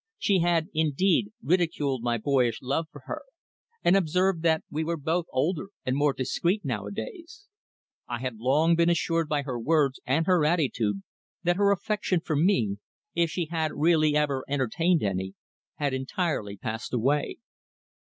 She had, indeed, ridiculed my boyish love for her, and observed that we were both older and more discreet nowadays. I had long been assured by her words and her attitude that her affection for me if she had really ever entertained any had entirely passed away.